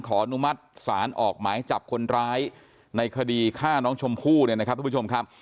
อนุมัติศาลออกหมายจับคนร้ายในคดีฆ่าน้องชมพู่เนี่ยนะครับทุกผู้ชมครับ